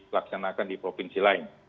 bisa dilaksanakan di provinsi lain